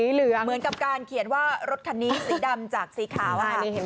เหมือนกับการเขียนว่ารถคันนี้สีดำจากสีขาว